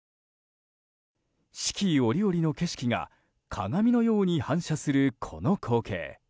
四季折々の景色が鏡のように反射するこの光景。